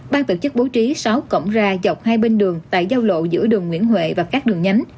ban tổ chức bố trí sáu cổng ra dọc hai bên đường tại giao lộ giữa đường nguyễn huệ và các đường nhánh